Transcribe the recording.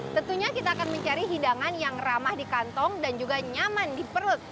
tentunya kita akan mencari hidangan yang ramah di kantong dan juga nyaman di perut